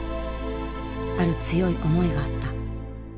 ある強い思いがあった。